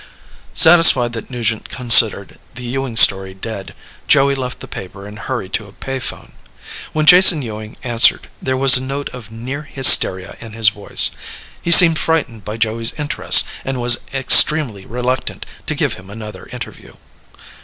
Satisfied that Nugent considered the Ewing story dead, Joey left the paper and hurried to a pay phone. When Jason Ewing answered, there was a note of near hysteria in his voice. He seemed frightened by Joey's interest and was extremely reluctant to give him another interview.